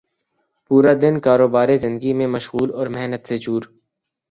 پورا دن کاروبار زندگی میں مشغول اور محنت سے چور